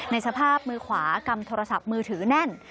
ในสภาพมือขวากำโทรศัพท์มือถือแน่น